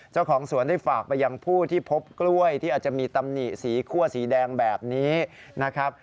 เจ้าของสวนได้ฝากไปยังผู้ที่พบกล้วยที่อาจจะมีตำหนิสีคั่วสีแดงแบบนี้นะครับ